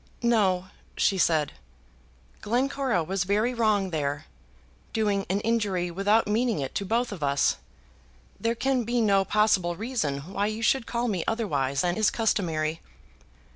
"No," said she, "Glencora was very wrong there, doing an injury without meaning it to both of us. There can be no possible reason why you should call me otherwise than is customary."